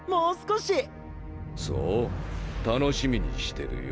そう楽しみにしてるよ。